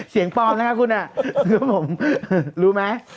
เสียงปลอมแล้วคุณน่ะรู้ไหม